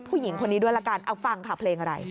ผู้หญิงคนนี้ด้วยละกันเอาฟังค่ะเพลงอะไร